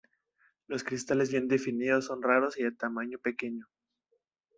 Los cristales bien definidos son raros y de tamaño pequeño.